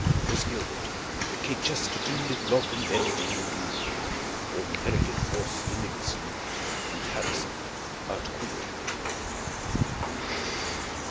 'Twas gilbert. The kchesterton Did locke and bennett in the reed. All meredith was the nicholson, And harrison outqueed.